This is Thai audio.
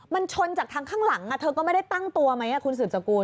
มันชนจากทางข้างหลังเธอก็ไม่ได้ตั้งตัวไหมคุณสืบสกุล